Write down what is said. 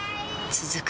続く